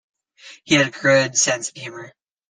He had a good sense of humor.